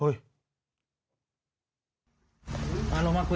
อย่างไรบอกตำรวจสิ